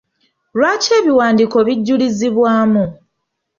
Lwaki ebiwandiiko bijulizibwamu?